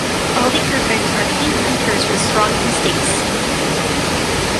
All the Griffons are keen hunters with strong instincts.